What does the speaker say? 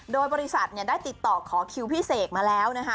โดยบริษัทได้ติดต่อขอคิวพี่เสกมาแล้วนะคะ